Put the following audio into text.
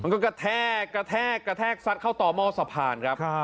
กระแทกกระแทกกระแทกซัดเข้าต่อหม้อสะพานครับ